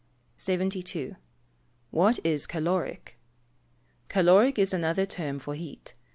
72. What is caloric? Caloric is another term for heat.